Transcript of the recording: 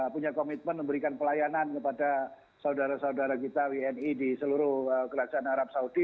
punya komitmen memberikan pelayanan kepada saudara saudara kita wni di seluruh kerajaan arab saudi